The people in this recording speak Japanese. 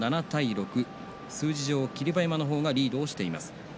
数字上は霧馬山がリードしています。